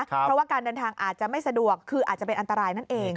เพราะว่าการเดินทางอาจจะไม่สะดวกคืออาจจะเป็นอันตรายนั่นเอง